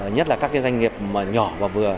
nhất là các doanh nghiệp nhỏ và vừa